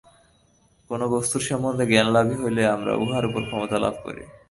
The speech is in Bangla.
কোন বস্তুর সম্বন্ধে জ্ঞানলাভ হইলেই আমরা উহার উপর ক্ষমতা লাভ করি।